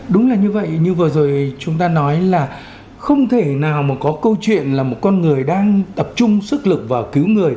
đúng là như vậy như vừa rồi chúng ta nói là không thể nào mà có câu chuyện là một con người đang tập trung sức lực vào cứu người